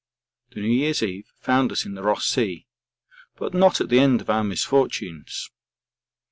'The New Year's Eve found us in the Ross Sea, but not at the end of our misfortunes.'